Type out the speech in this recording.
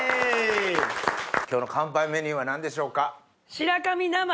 今日の乾杯メニューは何でしょうか？